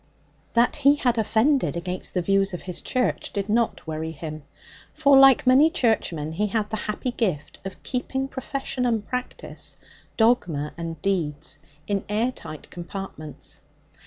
That he had offended against the views of his Church did not worry him. For, like many churchmen, he had the happy gift of keeping profession and practice, dogma and deeds, in airtight compartments.